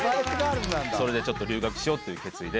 それでちょっと留学しようという決意で。